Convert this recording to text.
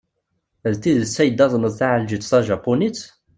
D tidet ad yi-d-tazneḍ taɛelǧett tajapunit?